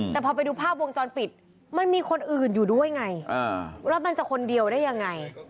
แต่พอไปดูภาพวงจรปิดมันมีคนอื่นอยู่ด้วยไงว่ามันจะคนเดียวได้ยังไง